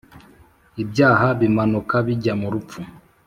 Ibyaha bimanuka bijya mu rupfu